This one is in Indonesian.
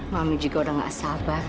mami juga sudah tidak sabar